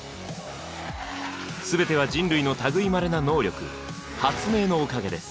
全ては人類の類いまれな能力「発明」のおかげです。